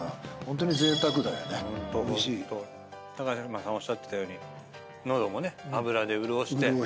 嶋さんおっしゃってたように喉もね油で潤して。